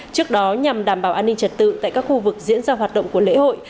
trước đó nhằm đảm bảo an ninh trật tự tại các khu vực diễn ra hoạt động của lễ hội